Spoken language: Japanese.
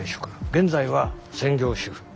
現在は専業主婦。